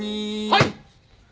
はい！